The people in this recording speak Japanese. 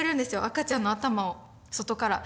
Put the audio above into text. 赤ちゃんの頭を外から。